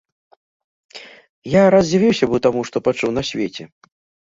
Я раз здзівіўся быў таму, што пачуў на свеце.